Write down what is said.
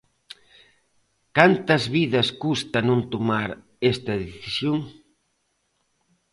¿Cantas vidas custa non tomar esta decisión?